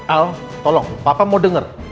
al tolong papa mau dengar